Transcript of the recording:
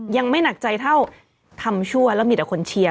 ยังไม่หนักใจเท่าทำชั่วแล้วมีแต่คนเชียร์